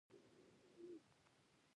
خدای به یې اجر هم ورکړي.